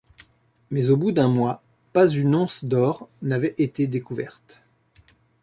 Mais au bout d'un mois, pas une once d'or n'avait été découverte!